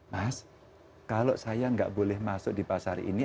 mas kalau saya nggak boleh masuk di pasar ini